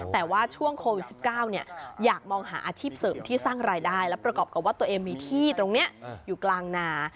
แต่ว่าช่วงโควิด๑๙อยากมองหาอาชีพเสริมที่สร้างรายได้และประกอบกับว่าตัวเองมีที่ตรงนี้อยู่กลางนา